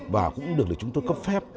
và cũng được chúng tôi cấp phép